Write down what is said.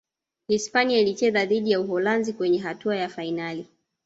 hispania ilicheza dhidi ya Uholanzi kwenye hatua ya fainali